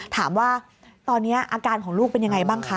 ถามว่าตอนนี้อาการของลูกเป็นยังไงบ้างคะ